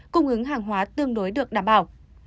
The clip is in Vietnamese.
cung ứng hàng hóa tương đối được đảm bảo